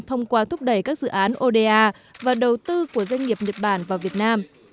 thông qua thúc đẩy các dự án oda và đầu tư của doanh nghiệp nhật bản vào việt nam